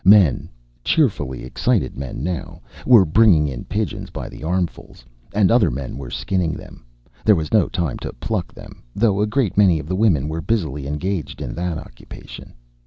Men, cheerfully excited men now, were bringing in pigeons by armfuls, and other men were skinning them. There was no time to pluck them, though a great many of the women were busily engaged in that occupation.